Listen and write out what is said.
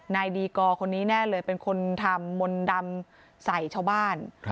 นายดีกอร์คนนี้แน่เลยเป็นคนทำมนต์ดำใส่ชาวบ้าน